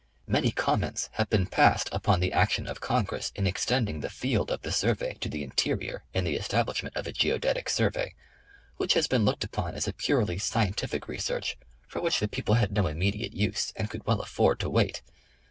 Many comments have been passed upon the action of Congress in extending the field of the survey to the interior in the establishment of a " Geodetic Survey," which has Ibeen looked upon as a purely scientific research for which the people had no immediate use, and could well afford to wait.